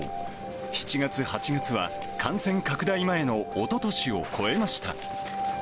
７月、８月は、感染拡大前のおととしを超えました。